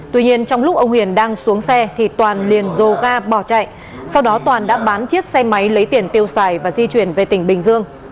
tuy nhiên trong lúc ông huyền đang xuống xe thì toàn liền dồ ga bỏ chạy sau đó toàn đã bán chiếc xe máy lấy tiền tiêu xài và di chuyển về tỉnh bình dương